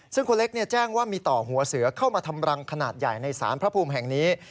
ซึ่งคุณเล็กแจ้งว่ามีต่อหัวเสือเข้ามาทำรังขนาดใหญ่ในสารพระภูมิแห่งนี้